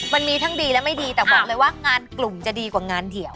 มันมีทั้งดีและไม่ดีแต่บอกเลยว่างานกลุ่มจะดีกว่างานเดียว